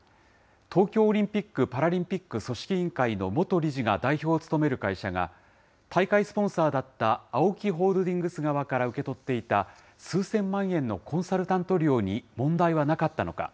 東京オリンピック・パラリンピック組織委員会の元理事が代表を務める会社が、大会スポンサーだったＡＯＫＩホールディングス側から受け取っていた、数千万円のコンサルタント料に問題はなかったのか。